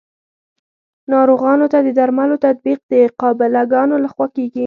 ناروغانو ته د درملو تطبیق د قابله ګانو لخوا کیږي.